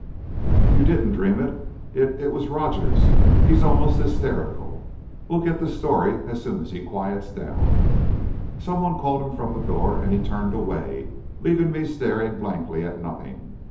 "You didn't dream it it was Rogers he's almost hysterical. We'll get the story, as soon as he quiets down." Someone called him from the door, and he turned away, leaving me staring blankly at nothing.